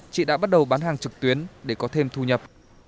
chị đã bắt đầu bán hàng trực tuyến để có thêm thu nhập